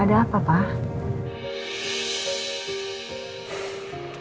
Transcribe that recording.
ada apa pak